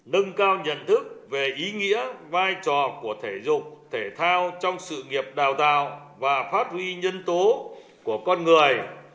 nâng cao nhận thức về ý nghĩa vai trò của thể dục thể thao trong sự nghiệp đào tạo và phát huy nhân tố của con người